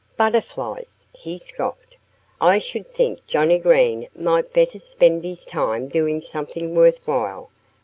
"Butterflies!" he scoffed. "I should think Johnnie Green might better spend his time doing something worth while.